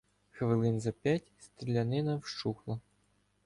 Хвилин за п'ять стрілянина вщухла.